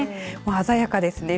鮮やかですね。